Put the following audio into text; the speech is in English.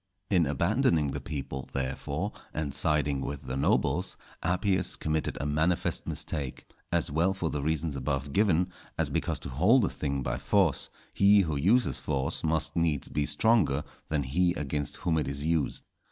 In abandoning the people, therefore, and siding with the nobles, Appius committed a manifest mistake, as well for the reasons above given, as because to hold a thing by force, he who uses force must needs be stronger than he against whom it is used.